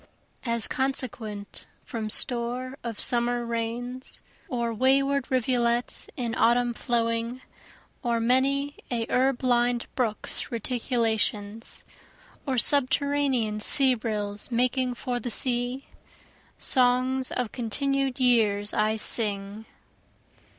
As consequent from store of summer rains, Or wayward rivulets in autumn flowing, Or many a herb lined brook's reticulations, Or subterranean sea rills making for the sea, Songs of continued years I sing.